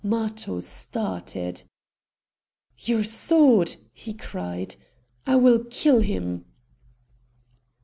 Matho started. "Your sword!" he cried; "I will kill him!"